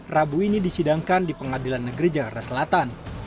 rabu ini disidangkan di pengadilan negeri jakarta selatan